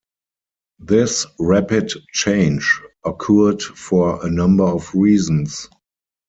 This rapid change occurred for a number of reasons.